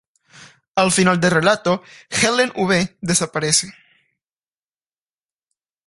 Al final del relato, Helen V. desaparece.